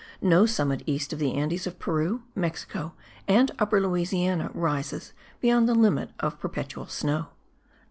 No summit east of the Andes of Peru, Mexico and Upper Louisiana rises beyond the limit of perpetual snow.